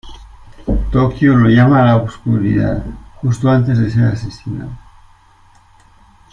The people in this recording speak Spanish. Tokio lo llama "la oscuridad" justo antes de ser asesinado.